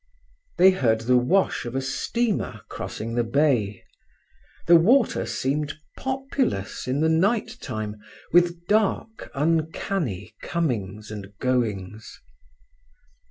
They heard the wash of a steamer crossing the bay. The water seemed populous in the night time, with dark, uncanny comings and goings.